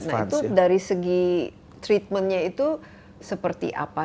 nah itu dari segi treatmentnya itu seperti apa